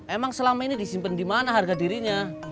emang selama ini disimpen dimana harga dirinya